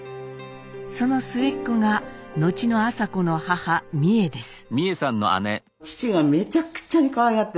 その末っ子が後の麻子の母美惠です。